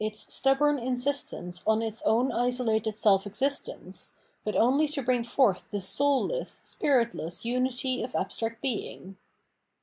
ilvil dnd Forgiveness 679 stubborn insistence on its own isolated self existence, but only to bring forth the souUess, spiritless unity of abstract being.